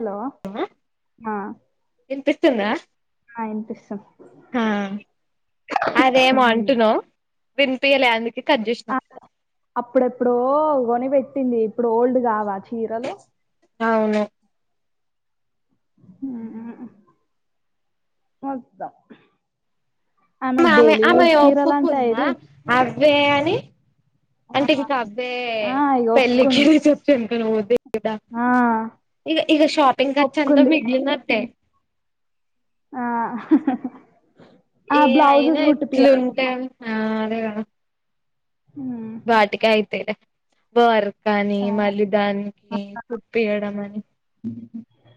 Hello ఆ వినిపిస్తుందా ఆ ఇనిపిస్తుంది ఆ వినిపిస్తుంది అదేమో అంటున్నావు వినిపియలే అందుక కట్ చేసినా ఆ అప్పుడెప్పుడో కొనిపెట్టింది ఇప్పుడు ఓల్డ్ కావా ఆ చీరలు అవునే ఉం మద్దా ఆమెకి డైలీ యూస్ చీరలా అంటా ఇది అబ్బే అని ఆ అంటే ఇంకా అబ్బే ఆ ఇగ పెళ్ళికి ఒప్పుకుంది చెమటలు పోతే కదా ఆ ఇగ ఇగ షాపింగ్ ఖర్చు అంతా ఒప్పుకుంది మిగిలినట్టే ఆ ఆ ఏ అయినా బ్లౌజెస్ ఎట్లు కుట్టిపియాలి ఉంటా ఆ అదే కదా హ వాటికయితే బర్క్ అని ఆ మళ్ళీ ఆ, దానికి కుప్పియడం అని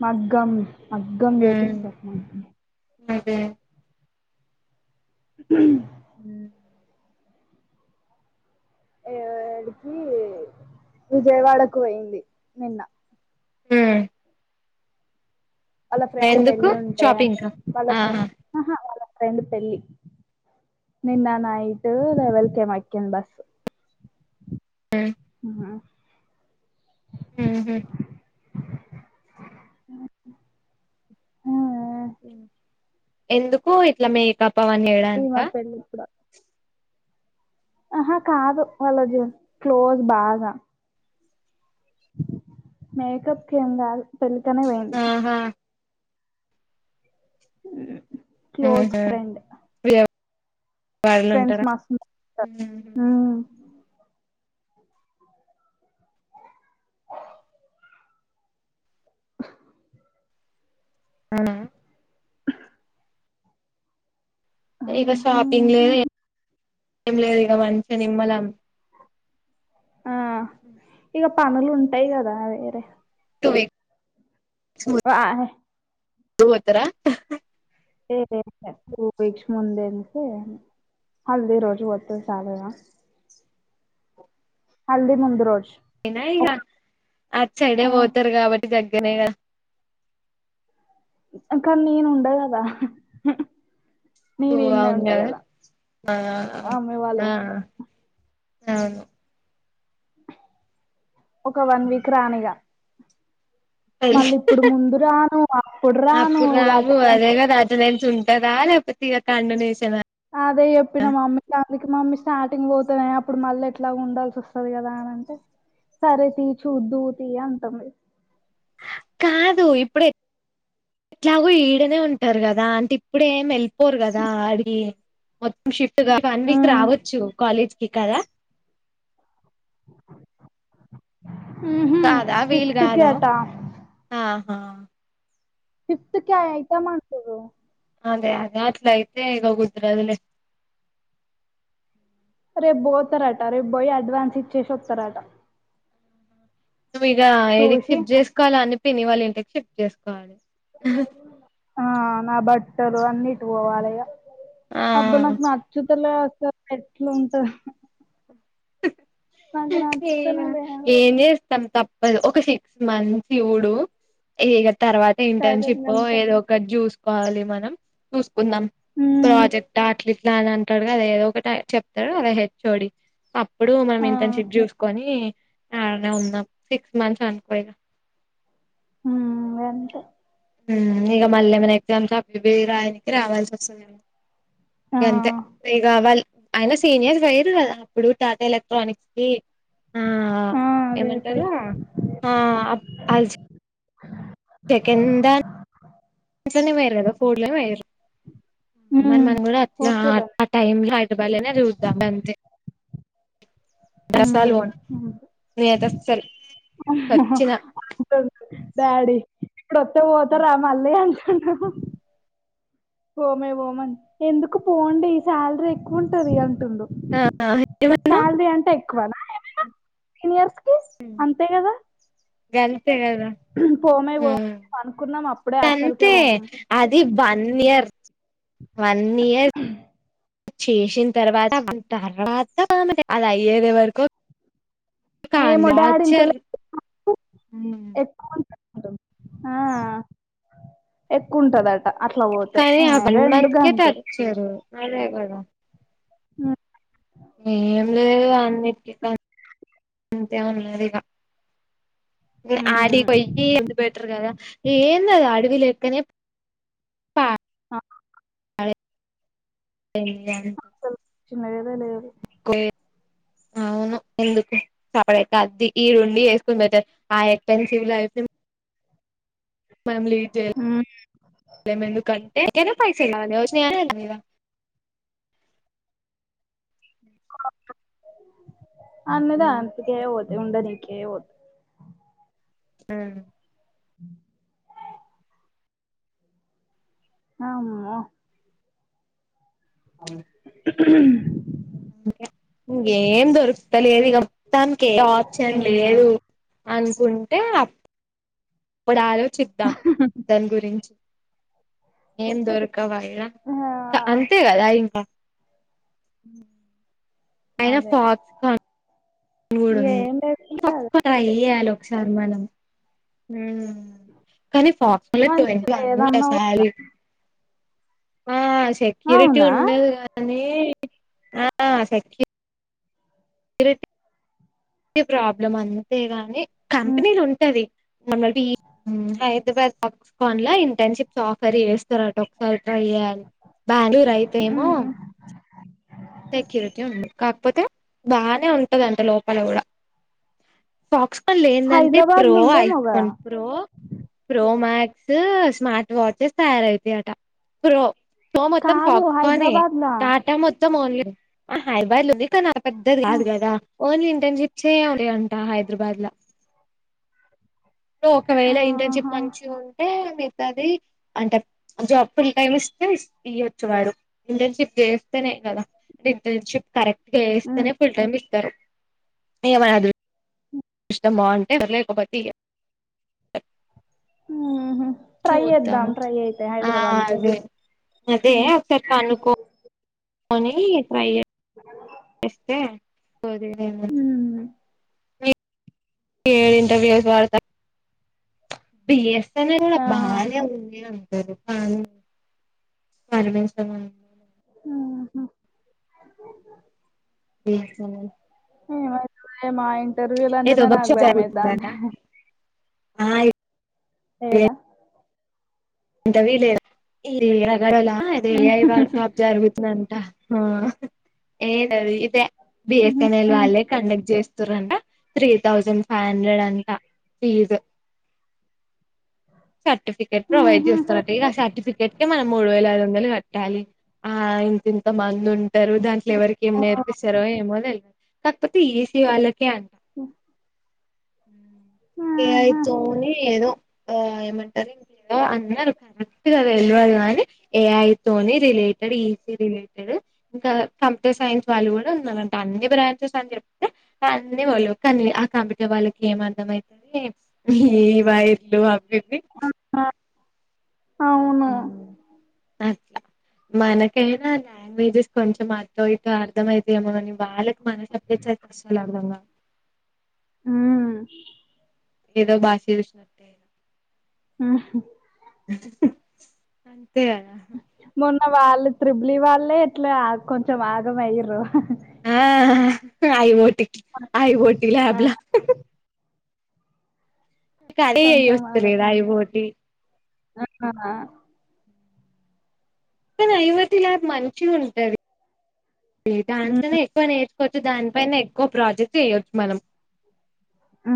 మగ్గం మగ్గం ఉమ్ వేపిస్త అదే ఉ హ ఏడికి విజయవాడకు పోయింది నిన హ వాళ్ళ ఫ్రెండ్ ఎందుకు పెళ్ళి ఉంటే షాపింగ్ కా వాళ్ళ ఫ్రెహ ఆహా ఆహా వాళ్ళ ఫ్రెండ్ పెళ్ళి నిన్న నాయిట్ లేవన్ కి ఏమో ఎక్కింది బస్ ఆ ఆ హు హూ ఆ ఎందుకు ఇట్లా మేకప్ అవ్వనీ ఈమా పెళ్లికు కూడా ఆహా కాదు వాళ్ళజ క్లోజ్ బాగా మేకప్ ఏం కాదు పెళ్లికనే పోయింది ఆహా క్లోజ్ ఆహా ఫ్రెండ్ వా ఫ్రెండ్స్ ఉంటారా మస్తు ఉంటారు. ఉమ్ అవునా ఇక షాపింగ్ లేదు ఏం లేదు ఇక మంచిగా నిమ్మల ఆ హ ఇక పనులు ఉంటాయి కదా వేరే టూ వీక్ వహే పోతర ఏ టూ వీక్స్ ముందు వెళ్తే హల్ది రోజు పోతే చాలదా హల్ది ముందు రోజు అయినా ఇక ఒక అటు సైడే ఆ పోతారు కాబట్టి దగ్గరనే కదా కానీ నేను ఉండ కదా ఓ నేను ఈన్నే అవును ఉంటా కదా కదా మా మమ్మీ వాళ్ళు ఆ అవును ఒక వన్ వీక్ రానిగా మళ్ళీ ఇప్పుడు ముందు రాను అప్పుడు రాను అప్పుడు ఇక రావు అదేగా అటెండెన్స్ అటెండెన్స్ ఉ టదా లేకపోతే ఇగ కంటిన్యూషన్ ఆ అదే చెప్పిన మమ్మీ అందుకి మా మమ్మీ స్టార్టింగ్ పోతునే అప్పుడు మళ్ళీ ఎట్లాగ ఉండాల్సి వస్తుంది కదా అని అంటే సరే తీ చూద్దు తీ అంటంది కాదు ఇప్పుడు ఎట్లాగో ఈడనే ఉంటారు కదా అంటే ఇప్పుడేమి వెళ్ళిపోరు కదా ఆడికి మొత్తం షిఫ్ట్ [inaudible] వన్ ఆ వీక్ రావచ్చు కాలేజ్ కి కదా మ్మ్ హు కాదా వీలు ఫిఫ్త్ కాదా కేటా ఆహా ఫిఫ్త్ కె ఆ ఎగ్జామ్ అంటూర్రు అదే అదే అట్లయితే ఇగ గుర్తు లేదు లే రేపు పోతారట రేపు పోయి అడ్వాన్స్ ఇచ్చేసి వస్తారట నువ్వు ఇగ ఈడికి చూసి షిఫ్ట్ చేసుకోవాలి అని పిని వాళ్ళ ఇంటికి షిఫ్ట్ చేసుకోవాలి ఆ నా బట్టలు అన్ని ఎత్తుకుపోవాలి ఇగ ఆ అబ్బ నాకు నాక్ బా [unintelligible] అట్ల ఎట్లుంటది నాకు నచ్చుతనే లేదు ఏం చెస్ త్తం తప్పదు ఒక సిక్స్ మంత్స్ చూడు ఇగ తర్వాత అదే ఇంటర్న్షిప్ గంతే ఏదో కటి చూసుకోవాలి మనం చూసుకుందాం మ్మ్ ప్రాజెక్ట్ అట్ ఇట్ల అని అంటడు కద ఏదో ఒకటి ఆ చెప్తాడు అది హెచ్ ఓ డి ఇప్పుడు మనం ఆ ఇంతని చెట్ చూసుకొని ఆడనే ఉన్నాం సిక్స్ మంత్స్ అనుకో ఇగ మ్మ్ అంతే మ్మ్ ఇక మళ్ళ ఏమైనా ఎగ్జామ్స్ అవి రాయనికి రావాల్సి వస్తుందడి ఆ గంతే ఈ రావాలి అయిన సీనియర్స్ అయ్యిర్రు కదా అప్పుడు టాటా ఎలక్ట్రానిక్స్ కి ఆ ఆ అదే పోయి ఏమంటారు ఆ అల్చ్ సెకండ్ దాన్ అట్లనే వేయరు కదా ఫోడ్ లోనే వేయరు మన మ్మ్ మనం కూడా అట్లే ఆ హోటల్ ఆ టైమ్ [inaudible] చూద్దాం అంతే [inaudible] మ్మ్ నేనైతే అసలు అమ్మో వచ్చిన [unintelligible] డాడీ ఇప్పుడొస్తే పోతారా మళ్ళీ అంటుండు ఓమే ఓమం ఎందుకు పోండి శాలరీ ఎక్కువ ఉంటది అంటుడు ఆ ఏమన్నావ్ శాలరీ అంటా ఎక్కువనా సీనియర్స్ కి అంతే కదా గంతే కదా పోమే పో పనుకున్నాం అప్ అంతే అది వన్ ఇర్ వన్ ఇయర్ అ చేసిన తర్వాత [inaudible] తర్వాత [inaudible] అది అయ్యేది వరకు ఏమో డాడీ టార్చర్ ఇంటలే ఎక్కువంటంది మ ఆ ఎక్కువంటంది అది ట అట్ల పోతే కానీ ఆ వన్ రెండు మంత్ కే గంతే అదే కద హ్మ్. ఏం లేదు అన్నిటికీ గంతే ఉన్నారిగా మ్మ్ ఆడి హ్మ్. పొయ్యి ఎ బెటర్ కదా ఎందది అడవి లెక్కనే ప ఆ అదే [inaudible] అస్సలు లేనే లేదు కే అవును ఎందుకు సెపరేటుగా అద్ది ఈ రొండు యేసుకోని ఆ [inaudible] ఆ ఎక్స్పెంసివ్ లో అయితే మనం లీడ్ హ్మ్. చెయ్యలేం ఎందుకంటే [inaudible] అన్నదా అంతక పోతే ఉండనీకిే పోతు ఆ ఏ ఆమ్మో అవును మెఆ ఇంకేం దొరుకుత లేదు ఇక మొత్తానికే ఏ ఆప్షన్ హ్మ్. లేదు అనుకుంటే అ అప్పుడు ఆలోచిద్దాం దాని గురించి ఏం దొరుకు ఒకవేళ ఆ! అంతే కదా ఇంకా ఆయినా అదే. ఫఫ్కార్న్ ఇగ మూడుంది ఏం లేకుంటే అదే. ట్రై చెయ్యాలి ఒకసారి మనం మ్ కానీ ఫాక్ లో మంచిగా [unintelligible] వన్ లేదన్నవు. సారి ఆ సెక్యూరిటీ అవునా? ఉండదు కానీ ఆ సెక్యూరి ర క్కటే ప్రాబ్లం అంతే గాని హ్మ్. కంపెనీలు ఉంటది మొన్న [unintelligible] హైదరాబాద్ ఫన్లా ఇంటర్న్షిప్స్ ఆఫర్ చేస్తారట ఒకసారి ట్రై చేయాలి బెంగళూరు అయితే ఏమో సెక్యూరిటీ ఉంది కాకపోతే బానే ఉంటాదంట లోపల కూడా ఫాక్స్ ఫోన్ లేందంటే హైదరాబాద్ ప్రో లో ఉందేమో కదా iPhone pro pro max smart watches తయారవుతాయట ప్రో ప్రో మొత్తం కాదు పాప్కార్న్ ఎ హైదరాబాద్ లా టాటా మొత్తం ఓన్లీ హైదరాబాద్ లో ఉంది కానీ ఆ పెద్దది కాదు కదా ఓన్లీ ఇంటర్న్షిప్ చేయాలి అంట హైదరాబాద్ లో ఒకవేళ ఇంటర్న్షిప్ ఆహా మంచిగా ఉంటే మీ గది అంటే జాబ్ ఫుల్ టైమ్ ఇస్తే ఇస ఇయొచ్చు వాడు ఇంటెన్షిప్ చేేస్తనే కదా అంటే ఇంటర్న్షిప్ కరెక్ట్గా చేస్తేనే ఫుల్ టైమ్ ఇస్తారు ఏమనా అధృష్టం బాగుంటే పర్లేకపోతే ఉహు ట్రై చేద్దాం చూద్దాము ట్రై అయితే ఆ హైదరాబాద్ లో అదే అదే కనుకో పోనీ ట్రై అ వస్తే [unintelligible] ఏ ఇంటర్వ్యూ వాడు బీఎస్‌ఎన్‌ఎల్ కూడా ఆ బానే ఉంది అన్నారు అవును పరమేశ్వరున్ని ఊహు బీఎస్‌ఎన్‌ఎల్ మ్ మా ఇంటర్వ్యూల్ ఏదో అంటేనే వర్క్ నాకు షాప్ జరుగుతుందట బయమెత్తుంది మైస అంత ఆ ఏడా అంత వీలే [unintelligible] జరుగుతుందంట ఏదది ఇదే బిఎస్ఎన్ఎల్ వాళ్ళే కండక్ట్ చేస్తారంట త్రీ థౌజండ్ ఫైవ్ హండ్రెడ్ అంటఫీజు సర్టిఫికెట్ ప్రొవైడ్ చేస్తార ఆ సర్టిఫికెట్ కే మనం మూడు వేల ఐదు వందలు కట్టాలి. ఆ ఇంత ఇంత మంది ఉంట టరు దాంట్లో ఎవరికేం నేర్పిస్తరో ఏమో తెలి కాకపోతే ఈసీ వాళ్ళకే అన్ ఉ ఏ ఐ తోని ఏదో ఆ ఏమంటార గా అ నరు కరెక్ట్ గా తేల్వద్ కానీ ఏఐ తోని రిలేటెడ్ ఈ సీ రిలేెటె ఏదే ఇంకా కంప్యూటర్ సైన్స్ వాళ్ళు గూడ ఉన్నరంట. అన్ని బ్రాంచెస్ అని చెప్తే అన్నీ వాళ్ళు కనీ ఆ కంప్యూటర్ వాళ్ళకి ఏం అర్థం అయితుందొ ఏమో ఈ వైర్లు ఆపేసి అ ఆ ఊ అట్లా మనకేనా లాంగ్వేజెస్ కొంచెం అటో ఇటో అర్థమయితయేమో గని వాళ్ళక్ [unintelligible] ఏదో బాషీ విష్ణర్ ఊ ఉ అంతే గదా మొన్న వాళ్ళు త్రిబ్లీ వాళ్ళే ఎట్లా కొంచెం ఆగమైర్రూ ఆ అ ఐబోటికి ఆఐపోటి ల్యాబ్ల నీకదే కొంచెం వస్తలదా ఐ ఓటి అ ఆ ఎవ్వే యువతి ల్యాబ్ మంచిగుంటది. ఈ డాన్స్ మ్మ్ అనే ఎక్కువ నేర్చ్ వోచ్చు దానిపైన ఎక్కువ ప్రాజెక్ట్ చేయొచ్చు మనం ఊ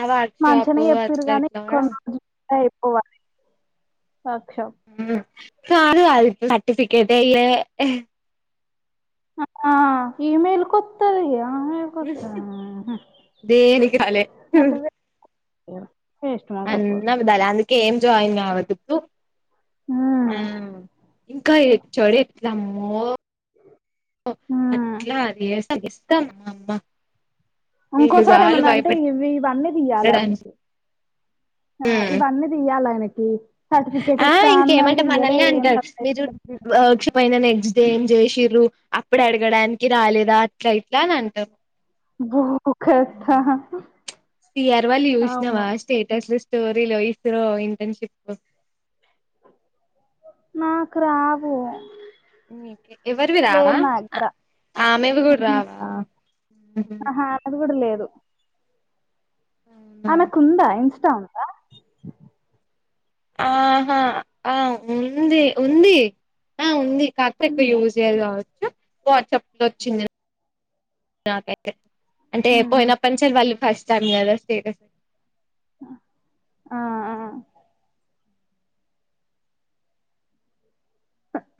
ఆ వర్క్ మంచిగనే షాప్ జెప్పిర్రు అట్లా గనీ ఇట్లా కూడా కొన్ని రోజు లయి పోవాలి సాక్ష్యం ఊ నాను గాదు సర్టిఫికట్ ఎయ్యే ఆ ఇ మేల్ కొత్తది ఆ మే దేనికి రాలే ఉ అన్ అబద్ధాలే అందుకే ఏం జాయిన్ గావద్ధు తు ఆ మ్మ్ ఇంకా ఏక్ చొడే ఎత్లా ఆమో న న అట్లా అది ఏస ఇస్తామా అమ్మ వీళ్ళు చాలు ఇంకోసారేమన్నా అంటే ఇవి ఇవన్నీ తీయాలాయనకి భయపెట్టడానికి ఆ ఇవన్నీ ఇయ్యాల ఆయనకి సర్టిఫికెట్ ఆ ఇస్తా అన్నారు ఇయ్యలే ఏం సర్టిఫికేట్ ఒక్షీ పోయిన నెక్స్ట్ డే ఏం చేసిర్రు అప్పుడే అడగడానికి రాలేదా అట్లా ఇట్లా అని అంటరు. భూ ఒక తా సిఆర్ వల్లి జూశినవా స్టేటస్లు, స్టోరీలు, ఇస్రో ఇంటర్న్షిప్ నాక్ రావు. మీకే ఎవరివి రావా! లేదు నా అ దగ్గర ఆమెవి మ్మ్ గూడా రావా! ఊ అది గూడ లేదు. అవునా ఆమెకుందా ఇన్స్టామ్ ఆహా ఆ ఉంది ఉంది ఆ ఉంది కాకపోతే ఎక్కువ ఉందా యూస్ జేయదు కావచ్చు వాట్సప్ లో ఒచ్చింది నాకైతే అంటే ఉమ్, ఉమ్. పోయినప్పని సార్ వాళ్ళు ఫస్ట్ టైమ్ గదా స్టేటస్ ఆ ఆ ఉ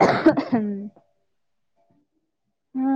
మ్